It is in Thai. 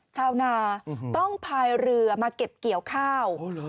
ชาวนาต้องพายเรือมาเก็บเกี่ยวข้าว